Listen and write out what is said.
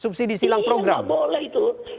subsidi silang begitu ya